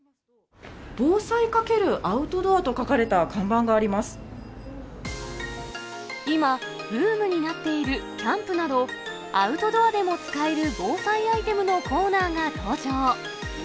防災×アウトドアと書かれた今、ブームになっているキャンプなど、アウトドアでも使える防災アイテムのコーナーが登場。